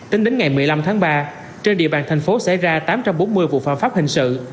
tính đến ngày một mươi năm tháng ba trên địa bàn thành phố xảy ra tám trăm bốn mươi vụ phạm pháp hình sự